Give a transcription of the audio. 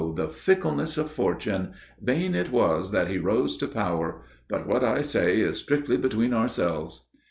the fickleness of fortune! Vain it was that he rose to power. But what I say is strictly between ourselves."